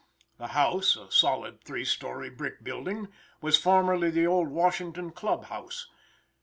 The house, a solid three story brick building, was formerly the old Washington Club house.